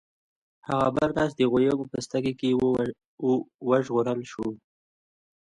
هغه بل کس چې د غوايي په پوستکي کې و وژغورل شو.